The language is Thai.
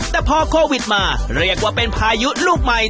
แต่พอโควิดมาเรียกว่าเป็นพายุลูกใหม่